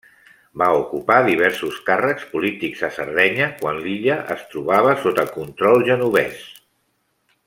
Va ocupar diversos càrrecs polítics a Sardenya quan l'illa es trobava sota control genovès.